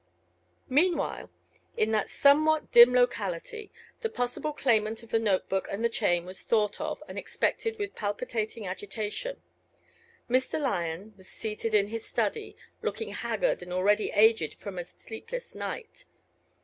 Meanwhile, in that somewhat dim locality the possible claimant of the note book and the chain was thought of and expected with palpitating agitation. Mr. Lyon was seated in his study, looking haggard and already aged from a sleepless night.